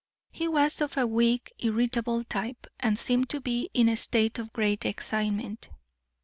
He was of a weak, irritable type, and seemed to be in a state of great excitement.